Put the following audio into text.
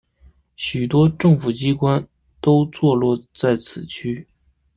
许多政府机关都座落在此区。